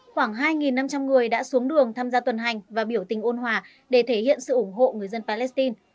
khoảng hai năm trăm linh người đã xuống đường tham gia tuần hành và biểu tình ôn hòa để thể hiện sự ủng hộ người dân palestine